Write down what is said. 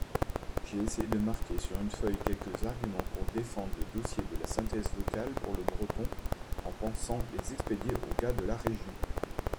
J'ai essayé de marquer sur une feuille quelques arguments pour défendre le dossier de la synthèse vocale pour le breton, en pensant les expédier aux gars de la Région.